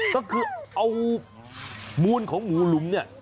ก็คือเอาหมู่ของหมูหลุม